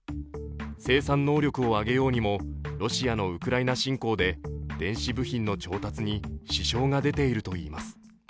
生産能力を上げようにもロシアのウクライナ侵攻で電子部品の調達に支障が出ているといいます。